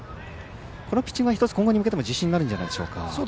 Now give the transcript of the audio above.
このピッチングは１つ今後に向けても自信になるんじゃないでしょうか。